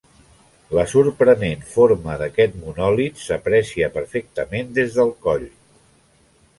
La sorprenent forma d'aquest monòlit s'aprecia perfectament des del coll.